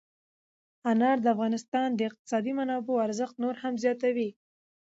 انار د افغانستان د اقتصادي منابعو ارزښت نور هم زیاتوي.